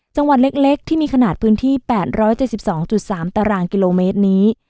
จังหวัดเล็กที่มีขนาดพื้นที่๘๗๒๓ตารางกิโลเมตรนี้